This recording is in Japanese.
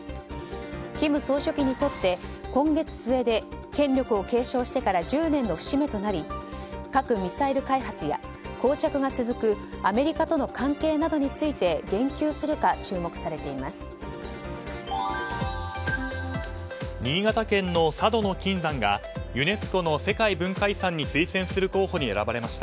金総書記にとって今月末で権力を継承してから１０年の節目となり核・ミサイル開発や膠着が続くアメリカとの関係などについて言及するか注目されています。